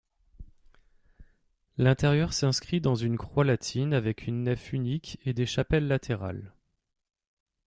L'intérieur s'inscrit dans une croix latine avec une nef unique et des chapelles latérales.